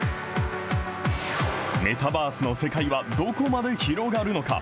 メタバースの世界はどこまで広がるのか。